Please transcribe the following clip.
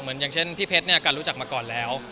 อย่างเช่นพี่เพชรเนี่ยการรู้จักมาก่อนแล้ว